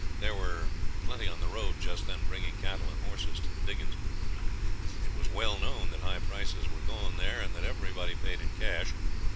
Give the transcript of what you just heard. There were plenty on the road just then bringing cattle and horses to the diggings. It was well known that high prices were going there and that everybody paid in cash.